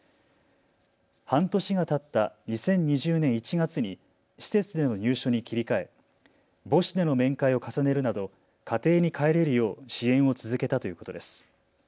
半年がたった２０２０年１月に施設での入所に切り替え、母子での面会を重ねるなど家庭に帰れるよう支援を続けたということです。